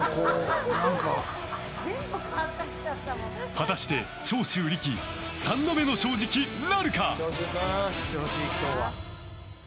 果たして、長州力三度目の正直なるか？